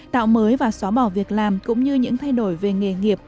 tạo mới và xóa bỏ việc làm cũng như những thay đổi về nghề nghiệp